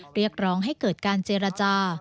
เรียกร้องให้เกิดการเจรจา